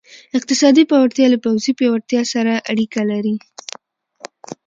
اقتصادي پیاوړتیا له پوځي پیاوړتیا سره اړیکه لري.